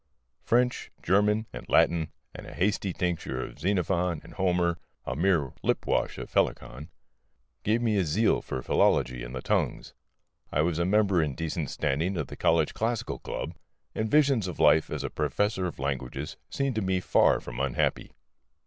French, German, and Latin, and a hasty tincture of Xenophon and Homer (a mere lipwash of Helicon) gave me a zeal for philology and the tongues. I was a member in decent standing of the college classical club, and visions of life as a professor of languages seemed to me far from unhappy.